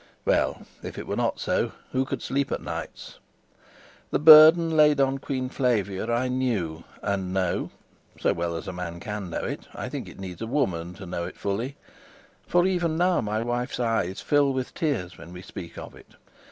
Well, if it were not so, who could sleep at nights? The burden laid on Queen Flavia I knew, and know, so well as a man can know it. I think it needs a woman to know it fully; for even now my wife's eyes fill with tears when we speak of it.